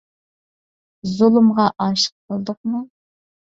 زۇلۇمغا ئاشىق بولدۇقمۇ؟